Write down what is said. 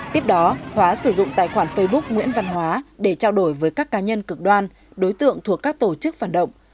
tiếp đó hóa sử dụng tài khoản facebook nguyễn văn hóa để trao đổi với các cá nhân cực đoan đối tượng thuộc các tổ chức phản động